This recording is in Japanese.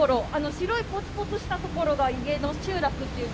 白いポツポツした所が家の集落っていうか。